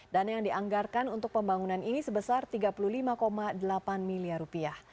dana yang dianggarkan untuk pembangunan ini sebesar tiga puluh lima delapan miliar rupiah